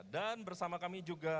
dan bersama kami juga